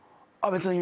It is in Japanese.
別に。